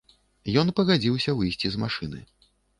Ён пагадзіўся выйсці з машыны.